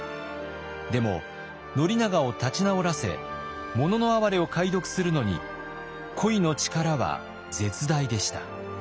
でも宣長を立ち直らせ「もののあはれ」を解読するのに恋の力は絶大でした。